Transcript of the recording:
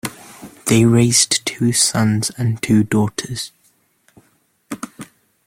They raised two sons and two daughters.